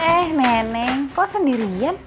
eh neneng kok sendirian